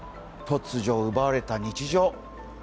突如、奪われた日常。